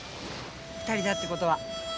２人だってことは。